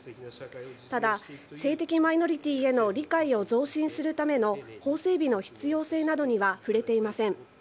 ただ、性的マイノリティーへの理解を増進するための法整備の必要性などには触れていません。